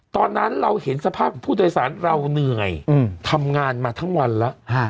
ตอนนั้นเราเห็นสภาพของผู้โดยสารเราเหนื่อยทำงานมาทั้งวันแล้ว